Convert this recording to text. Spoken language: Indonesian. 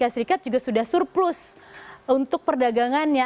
amerika serikat juga sudah surplus untuk perdagangannya